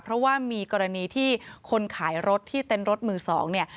เพราะว่ามีกรณีที่คนขายรถที่เต้นรถมือสองเนี่ย